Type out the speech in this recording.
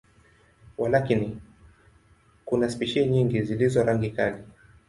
Walakini, kuna spishi nyingi zilizo rangi kali.